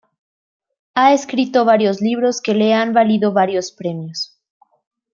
Ha escrito varios libros que le han valido varios premios.